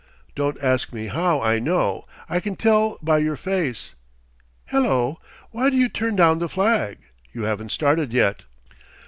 Don't ask me how I know; I can tell by your face Hello! Why do you turn down the flag? You haven't started yet!"